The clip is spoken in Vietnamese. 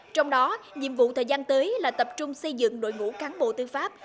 trong đó nhiệm vụ thời gian tới là tập trung xây dựng đội ngũ cán bộ tư pháp